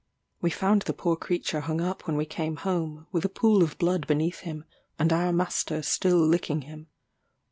We found the poor creature hung up when we came home; with a pool of blood beneath him, and our master still licking him.